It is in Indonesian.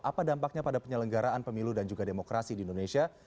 apa dampaknya pada penyelenggaraan pemilu dan juga demokrasi di indonesia